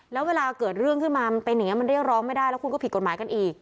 แล้วเวลาเกิดเรื่องขึ้นมามันเป็นอย่างนี้มันเรียกร้องไม่ได้แล้วคุณก็ผิดกฎหมายกันอีก